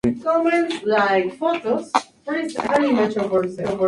Se casó con Ermengarda de Rouergue, hija del conde Ramón de Rouergue.